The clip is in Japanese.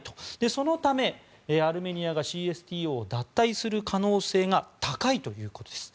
そのためアルメニアがＣＳＴＯを脱退する可能性が高いということです。